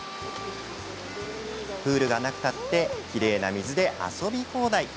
プールがなくったってきれいな水で遊び放題。